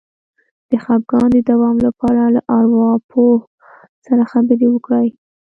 د خپګان د دوام لپاره له ارواپوه سره خبرې وکړئ